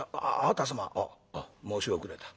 「あっ申し遅れた。